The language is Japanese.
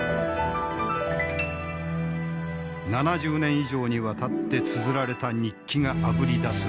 ７０年以上にわたってつづられた日記があぶり出す